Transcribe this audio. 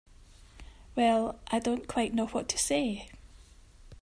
Well—I don't quite know what to say.